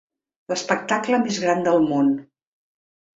L'espectacle més gran del món.